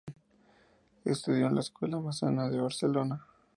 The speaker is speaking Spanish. Estudió en la Escuela Massana de Barcelona.